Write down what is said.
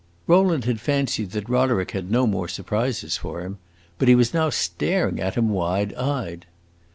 Rowland had fancied that Roderick had no more surprises for him; but he was now staring at him, wide eyed.